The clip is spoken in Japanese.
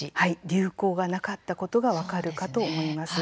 流行がなかったことが分かるかと思います。